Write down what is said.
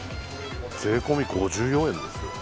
税込み５４円ですよ